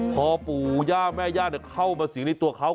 พอปู่ย่าแม่ย่าเข้ามาสิงในตัวเขา